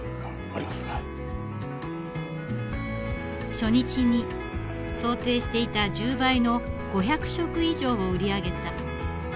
初日に想定していた１０倍の５００食以上を売り上げた。